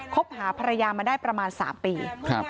บหาภรรยามาได้ประมาณ๓ปี